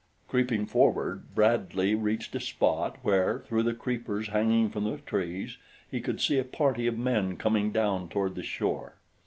Creeping forward Bradley reached a spot where, through the creepers hanging from the trees, he could see a party of men coming down toward the shore.